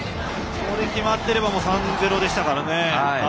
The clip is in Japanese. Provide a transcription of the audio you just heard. これが決まっていれば３−０でしたからね。